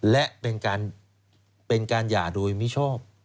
และเป็นการหย่าโดยมิชอบ